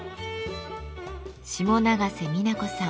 下永瀬美奈子さん。